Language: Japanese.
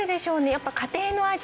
やっぱ家庭の味。